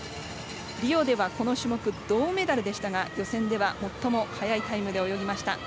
リオでは、この種目銅メダルでしたが予選では最も速いタイムで泳ぎました。